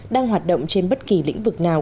đang hoạt động trên bất kỳ lĩnh vực nào